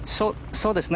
そうですね。